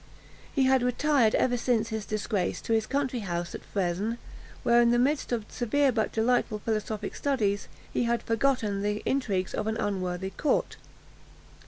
He had retired ever since his disgrace to his country house at Fresnes, where, in the midst of severe but delightful philosophic studies, he had forgotten the intrigues of an unworthy court.